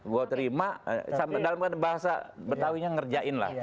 gue terima dalam bahasa betawinya ngerjain lah